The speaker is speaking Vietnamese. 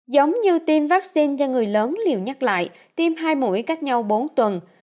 giống như tiêm vắc xin cho người lớn liều nhắc lại tiêm hai mũi cách nhau bốn tuần